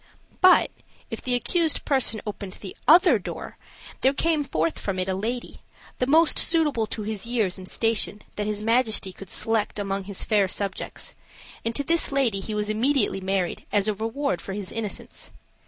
But, if the accused person opened the other door, there came forth from it a lady, the most suitable to his years and station that his majesty could select among his fair subjects, and to this lady he was immediately married, as a reward of his innocence.